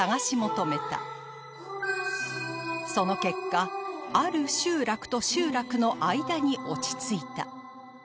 その結果ある集落と集落の間に落ち着いた